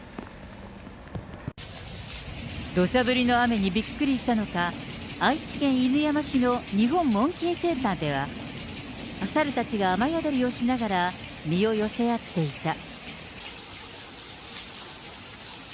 どしゃ降りの雨にびっくりしたのか、愛知県犬山市の日本モンキーセンターでは、サルたちが雨宿りをしながら、身を寄せ合っていた。